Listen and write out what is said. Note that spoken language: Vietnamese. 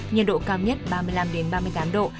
nhiệt độ cao nhất ba mươi năm ba mươi tám độ